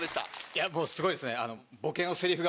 いやもうすごいですね。